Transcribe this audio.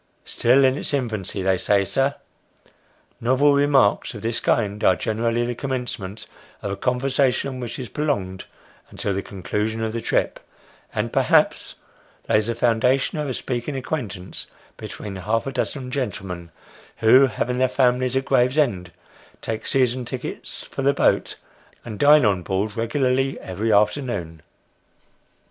" Still in its infancy, they say, sir." Novel remarks of this kind, are generally the commencement of a conversation which is prolonged until the conclusion of the trip, and, perhaps, lays the foundation of a speaking acquaintance between half a dozen gentlemen, who, having their families at Gravesend, take season tickets for the boat, and dino on board regularly every afternoon.